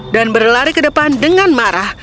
dan berlari ke depan dengan marah